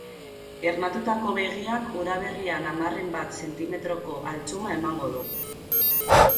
Ernatutako begiak udaberrian hamarren bat zentimetroko altsuma emango du.